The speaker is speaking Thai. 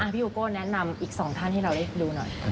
พี่โอโก้แนะนำอีกสองท่านให้เราได้ดูหน่อย